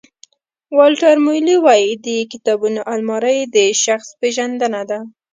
والټر مویلي وایي د کتابونو المارۍ د شخص پېژندنه ده.